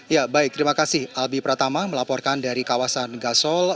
ya baik terima kasih albi pratama melaporkan dari kawasan gasol